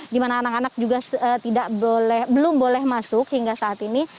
di mana anak anak juga belum boleh masuk hingga saat ini